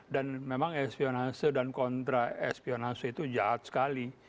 dan memang espionase dan kontra espionase itu jahat sekali